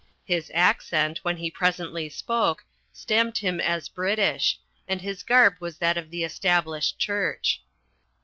His accent, when he presently spoke, stamped him as British and his garb was that of the Established Church.